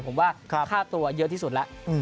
ผมว่าค่าตัวเยอะที่สุดแล้ว